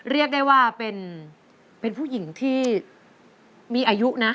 เรียกได้ว่าเป็นผู้หญิงที่มีอายุนะ